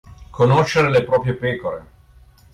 Conoscere le proprie pecore.